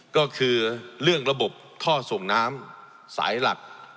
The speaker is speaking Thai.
ก็คือเรื่องระบบท่อส่งน้ำสายหลัก